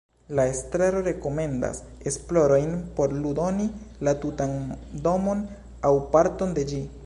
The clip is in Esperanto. La estraro rekomendas esplorojn por ludoni la tutan domon aŭ parton de ĝi.